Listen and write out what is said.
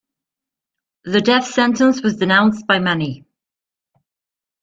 The death sentence was denounced by many.